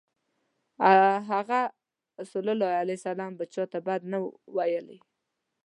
هغه ﷺ به چاته بد نه ویلی.